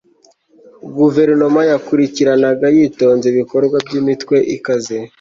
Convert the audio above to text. guverinoma yakurikiranaga yitonze ibikorwa by'imitwe ikaze